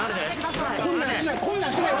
こんなんしない。